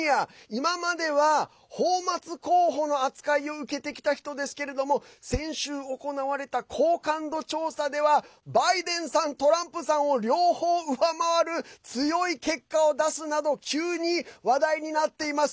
今までは泡沫候補の扱いを受けてきた人ですけれども先週、行われた好感度調査ではバイデンさん、トランプさんを両方、上回る強い結果を出すなど急に話題になっています。